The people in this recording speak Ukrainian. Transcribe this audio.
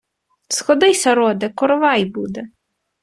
Сходися, роде, коровай буде!